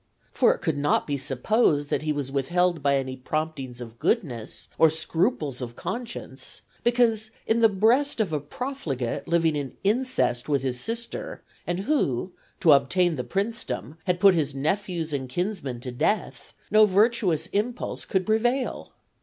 For it could not be supposed that he was withheld by any promptings of goodness or scruples of conscience; because in the breast of a profligate living in incest with his sister, and who to obtain the princedom had put his nephews and kinsmen to death, no virtuous impulse could prevail.